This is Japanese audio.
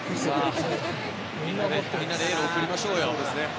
みんなでエールを送りましょうよ！